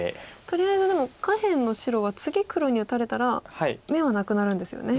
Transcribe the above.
とりあえずでも下辺の白は次黒に打たれたら眼はなくなるんですよね。